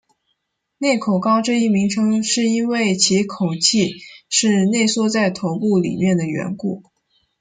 内口纲这一名称是因为其口器是内缩在头部里面的缘故。